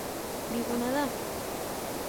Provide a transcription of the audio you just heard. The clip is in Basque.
Biguna da.